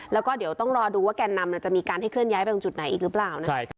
แล้วก็เดี๋ยวต้องรอดูว่าแก่นนำจะมีการให้ขึ้นย้ายออกใหม่จุดไหนอีกหรือเปล่า